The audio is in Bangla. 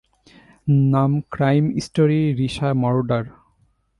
নাম ক্রাইম স্টোরি রিশা মার্ডার।